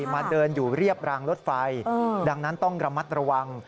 มาเดินอยู่เรียบรางรถไฟดังนั้นต้องระมัดระวัง